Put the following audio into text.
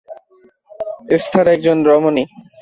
Esther একজন রমণী।